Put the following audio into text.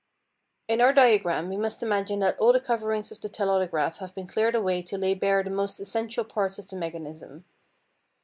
In our diagram we must imagine that all the coverings of the telautograph have been cleared away to lay bare the most essential parts of the mechanism.